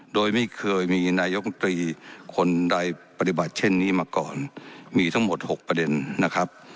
โดยไม่เคยมีนายกมตรีคนใดปฏิบัติเช่นนี้มาก่อนมีทั้งหมดหกประเด็นนะครับ